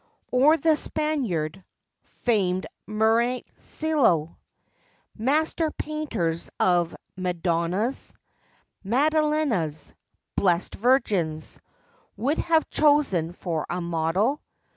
17 Or the Spaniard, famed Mureelyo, Master painters of " Madonnas," " Magdalenas," " Blessed Virgins," Would have chosen for a model.